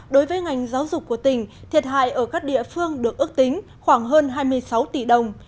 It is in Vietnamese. đối với ngành giáo dục của tỉnh thiệt hại ở các địa phương được ước tính khoảng hơn hai mươi sáu tỷ đồng